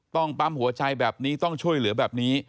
ปั๊มหัวใจแบบนี้ต้องช่วยเหลือแบบนี้